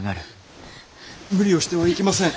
無理をしてはいけません。